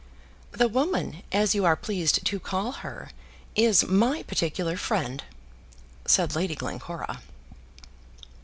"The woman, as you are pleased to call her, is my particular friend," said Lady Glencora.